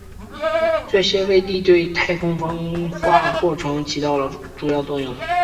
这些微粒对太空风化过程起到了主要作用。